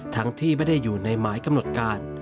ที่ไม่ได้อยู่ในหมายกำหนดการ